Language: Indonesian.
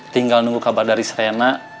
tinggal nunggu kabar dari serena